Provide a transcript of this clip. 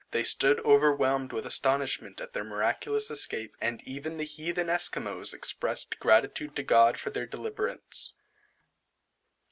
They stood overwhelmed with astonishment at their miraculous escape, and even the heathen Esquimaux expressed gratitude to God for their deliverance.